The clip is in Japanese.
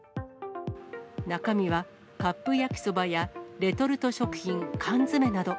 中身はカップ焼きそばやレトルト食品、缶詰など。